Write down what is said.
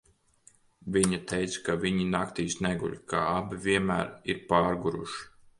Viņa teica, ka viņi naktīs neguļ, ka abi vienmēr ir pārguruši.